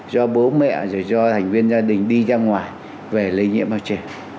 do bố mẹ rồi do thành viên gia đình đi ra ngoài về lây nhiễm ở trẻ